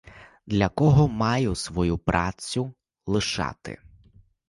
Для кого маю свою працю лишати?